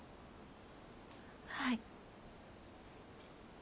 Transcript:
はい。